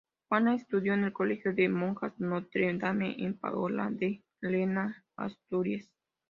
Juana estudió en el colegio de monjas Notre-Dame, en Pola de Lena, Asturias.